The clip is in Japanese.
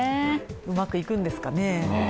うまくいくんですかね？